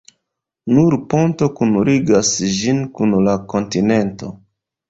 Nur ponto kunligas ĝin kun la kontinento.